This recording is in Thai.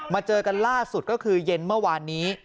เจอกันล่าสุดก็คือเย็นเมื่อวานนี้